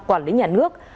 quản lý nhà nước